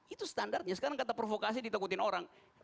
itu standarnya sekarang kata provokasi ditakutin orang